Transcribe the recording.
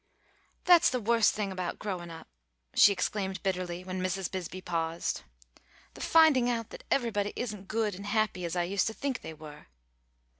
"That's the worst thing about growing up," she exclaimed bitterly when Mrs. Bisbee paused, "the finding out that everybody isn't good and happy as I used to think they were.